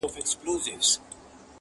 کلي دوه برخې ښکاري اوس ډېر,